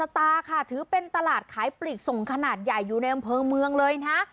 ตาค่ะถือเป็นตลาดขายปลีกส่งขนาดใหญ่อยู่ในอำเภอเมืองเลยนะ